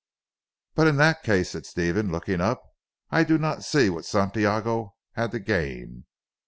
"But in that case," said Stephen looking up, "I do not see what Santiago had to gain.